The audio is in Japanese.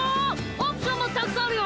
オプションもたくさんあるよ。